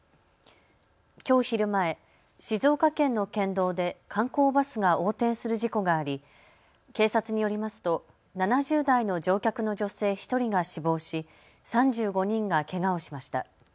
きょう昼前、静岡県の県道で観光バスが横転する事故があり警察によりますと７０代の乗客の女性１人が死亡し３５人がけがをしました。